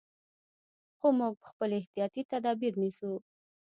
خو موږ خپل احتیاطي تدابیر نیسو.